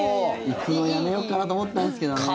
行くのやめようかなと思ったんですけどね。